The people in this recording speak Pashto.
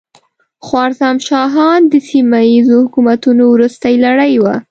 خوارزم شاهان د سیمه ییزو حکومتونو وروستۍ لړۍ وه.